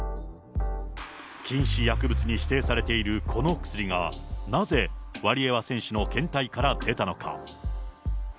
禁止薬物に指定されているこの薬が、なぜワリエワ選手の検体から出たのか。